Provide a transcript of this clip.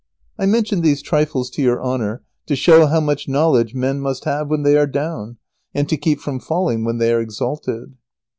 I mention these trifles to your Honour to show how much knowledge men must have when they are down, and to keep from falling when they are exalted.